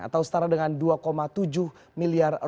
atau setara dengan dua tujuh miliar